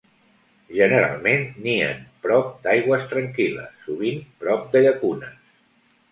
Generalment nien prop d'aigües tranquil·les, sovint prop de llacunes.